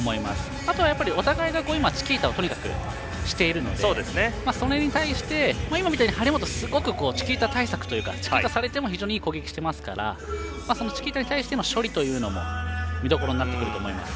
あとはお互いがチキータをとにかくしているのでそれに対して今みたいに張本、すごくチキータ対策というかチキータされてもいい攻撃していますからチキータに対しての処理も見どころになってくると思います。